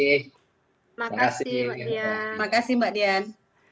terima kasih mbak dian